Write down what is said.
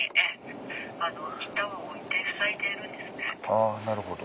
あぁなるほど。